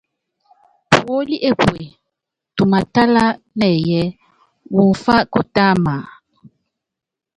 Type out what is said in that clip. Puólí epú tumaátala nɛyɛ́, wú umimfá kutáama?